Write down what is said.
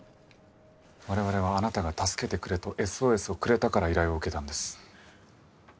我々はあなたが「助けてくれ」とＳＯＳをくれたから依頼を受けたんです。